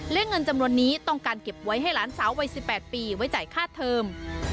และเงินจำนวนนี้ต้องการเก็บไว้ให้หลานสาววัย๑๘ปีไว้จ่ายค่าเทิม